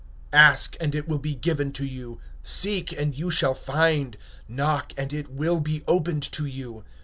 (7)Ask, and it shall be given you; seek, and ye shall find; knock, and it shall be opened to you.